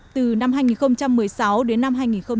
từ năm hai nghìn một mươi sáu đến năm hai nghìn một mươi chín